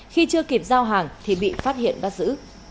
khi chưa kịp giao hàng thì bị phát hiện bắt giữ